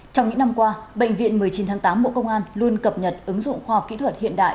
trong những năm qua bệnh viện một mươi chín tháng tám bộ công an luôn cập nhật ứng dụng khoa học kỹ thuật hiện đại